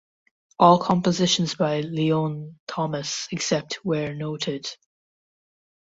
All compositions by Leon Thomas except where noted